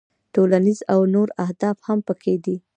ټولنیز او نور اهداف هم پکې دي.